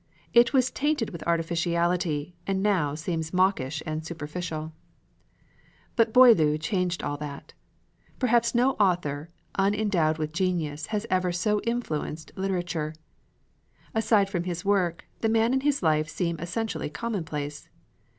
It was tainted with artificiality, and now seems mawkish and superficial. But Boileau changed all that. Perhaps no author unendowed with genius has ever so influenced literature, [Illustration: BOILEAU] Aside from his work, the man and his life seem essentially commonplace.